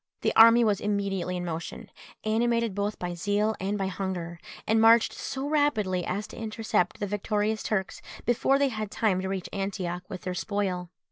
The army was immediately in motion, animated both by zeal and by hunger, and marched so rapidly as to intercept the victorious Turks before they had time to reach Antioch with their spoil.